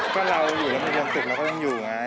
ก็เราอยู่แล้วไม่มีความสุขแล้วเขาต้องอยู่ไง